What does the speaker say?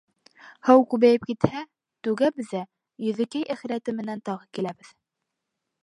Һыу күбәйеп китһә, түгәбеҙ ҙә Йөҙөкәй әхирәтем менән тағы киләбеҙ.